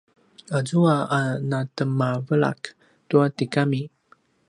azua a natemavelak tua tigami